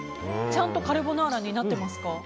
ちゃんとカルボナーラになってますか？